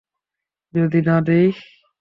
যদি না দেয়?